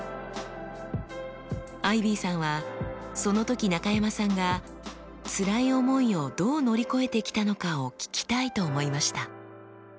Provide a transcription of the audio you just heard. アイビーさんはその時中山さんが辛い思いをどう乗り越えてきたのかを聞きたいと思いました。